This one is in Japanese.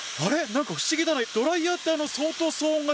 何か不思議だな。